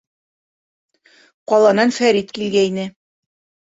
Ҡаланан Фәрит килгәйне.